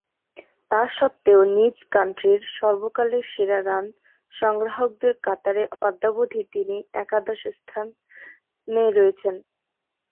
তাসত্ত্বেও নিজ কাউন্টির সর্বকালের সেরা রান সংগ্রাহকদের কাতারে অদ্যাবধি তিনি একাদশ স্থানে অবস্থান করছেন।